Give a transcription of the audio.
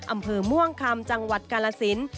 อำเภอม่วงคำจังหวัดกาลสิน